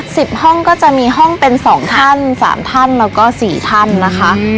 สิบห้องก็จะมีห้องเป็นสองท่านสามท่านแล้วก็สี่ท่านนะคะอืม